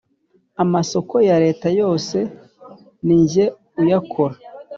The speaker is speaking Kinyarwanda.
amasoko ya leta yose ninjye uyakora